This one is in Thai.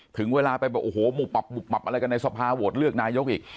ถึงเวลาไปแบบโอ้โหหุบหับอะไรกันในสภาโหวตเลือกนายกอีก